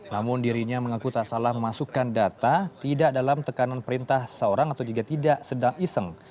namun dirinya mengaku tak salah memasukkan data tidak dalam tekanan perintah seorang atau jika tidak sedang iseng